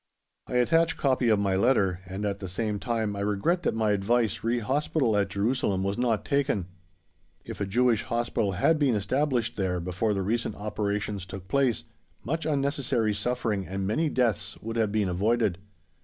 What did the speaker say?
I attach copy of my letter and, at the same time, I regret that my advice re Hospital at Jerusalem was not taken. If a Jewish Hospital had been established there, before the recent operations took place, much unnecessary suffering and many deaths would have been avoided.